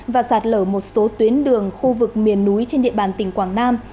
và sạt lở một số tuyến đường khu vực miền núi trên địa bàn tỉnh quảng nam